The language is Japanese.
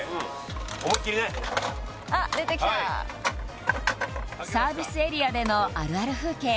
思いっきりねはいあっ出てきたサービスエリアでのあるある風景